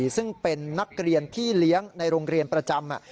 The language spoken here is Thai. ซึ่งเป็นนักเรียนพี่เลี้ยงในโรงเรียนประจำ